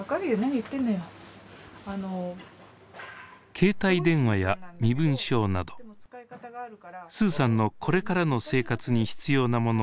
携帯電話や身分証などスーさんのこれからの生活に必要なものを一緒に準備していきます。